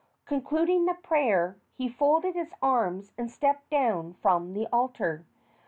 Concluding the prayer, he folded his arms and stepped down from the altar.